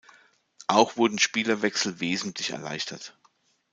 Auch wurden Spielerwechsel wesentlich erleichtert.